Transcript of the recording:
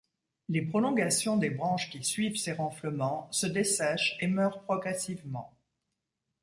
Les prolongations des branches qui suivent ces renflements se dessèchent et meurent progressivement.